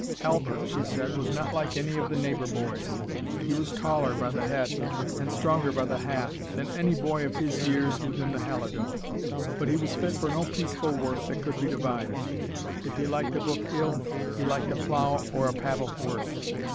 Halbert, she said, was not like any of the neighbour boys he was taller by the head, and stronger by the half, than any boy of his years within the Halidome. But he was fit for no peaceful work that could be devised. If he liked a book ill, he liked a plough or a pattle worse.